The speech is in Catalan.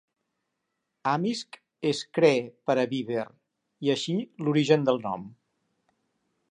Amisk és Cree per a Beaver i així l'origen del nom.